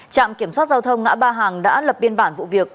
trạm kiểm soát giao thông ngã ba hàng đã lập biên bản vụ việc